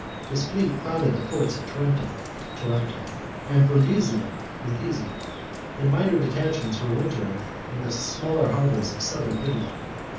His fleet crowded the ports of Tarentum (Taranto) and Brundusium (Brindisi), and minor detachments were wintering in the smaller harbours of southern Italy.